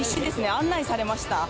案内されました。